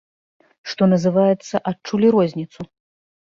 Што называецца, адчулі розніцу.